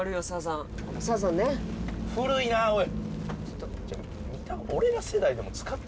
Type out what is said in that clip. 古いなおい！